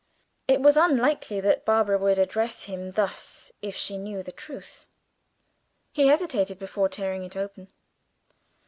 It was unlikely that Barbara would address him thus if she knew the truth; he hesitated before tearing it open.